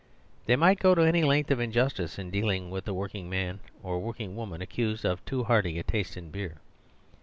They might go any lengths of injustice in deal ing with the working man or working woman accused of too hearty a taste in beer.